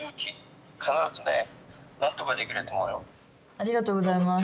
ありがとうございます。